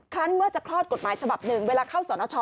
ครั้งเมื่อจะคลอดกฎหมายฉบับหนึ่งเวลาเข้าสรณชอ